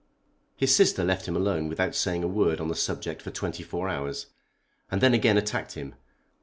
His sister left him alone without saying a word on the subject for twenty four hours, and then again attacked him.